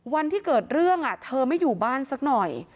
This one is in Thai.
วันที่เกิดเรื่องเธอไม่อยู่บ้านสักหน่อย